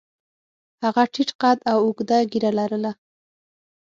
هغه ټیټ قد او اوږده ږیره لرله.